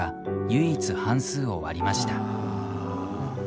唯一、半数を割りました。